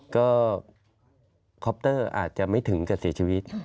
ก็คอปเตอร์อาจจะไม่ถึงกับเสียชีวิต